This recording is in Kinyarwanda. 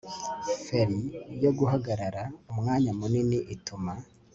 feri yo guhagarara umwanya munini ituma